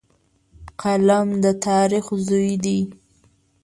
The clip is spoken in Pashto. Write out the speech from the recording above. قلم د تاریخ زوی دی